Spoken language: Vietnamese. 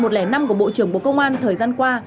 của bộ trưởng bộ công an thời gian qua